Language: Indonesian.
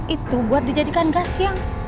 itu buat dijadikan gas yang